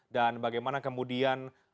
dan bagaimana kemudian